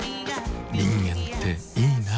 人間っていいナ。